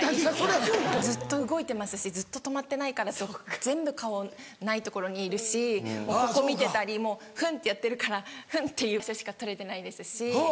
もうずっと動いてますしずっと止まってないから全部顔ないところにいるし横見てたりもうフン！ってやってるからフン！っていう場所しか撮れてないですし。